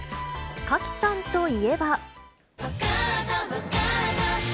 賀喜さんといえば。